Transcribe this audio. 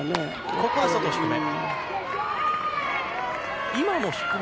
ここで外、低め。